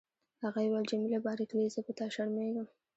هغې وویل: جميله بارکلي، زه په تا شرمیږم.